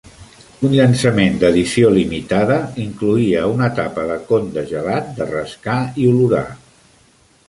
Un llançament d'edició limitada incloïa una tapa de con de gelat de rascar i olorar.